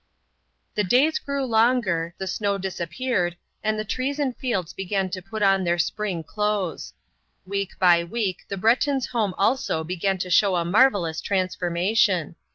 The days grew longer, the snow disappeared and the trees and fields began to put on their spring clothes. Week by week the Breton's home also began to show a marvelous transformation.